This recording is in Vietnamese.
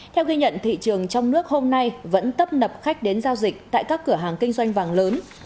theo ghi nhận thị trường trong nước hôm nay vẫn tấp nập khách đến giao dịch tại các cửa hàng kinh doanh vàng lớn